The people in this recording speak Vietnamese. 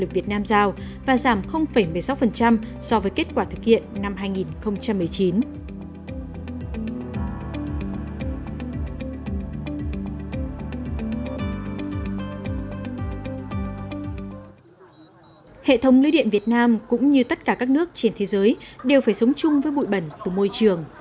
việc cắt điện việt nam cũng như tất cả các nước trên thế giới đều phải sống chung với bụi bẩn từ môi trường